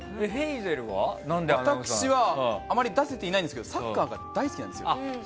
私は、あまり出せていないんですがサッカーが大好きなんですよ。